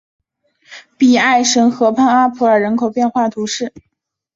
比埃什河畔阿普尔人口变化图示